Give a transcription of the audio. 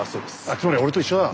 つまり俺と一緒だ。